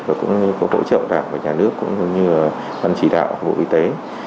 và cũng có hỗ trợ đảng và nhà nước cũng như văn chỉ đạo vụ y tế